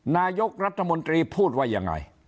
นายกรัฐมนตรีพูดว่ายังไง